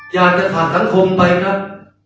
อยากจะฝากสังคมไปครับ